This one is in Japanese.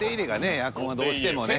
エアコンはどうしてもね。